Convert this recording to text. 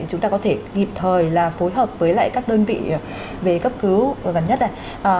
chúng ta có thể kịp thời là phối hợp với lại các đơn vị về cấp cứu gần nhất này